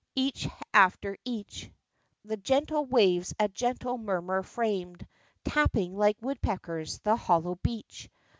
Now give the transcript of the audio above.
Each after each The gentle waves a gentle murmur framed, Tapping, like woodpeckers, the hollow beach.